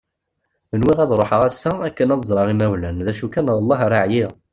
Nwiɣ ad ruḥeɣ ass-a akken ad ẓreɣ imawlan d acu kan wellah ar ɛyiɣ.